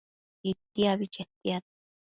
Itiabi chetiad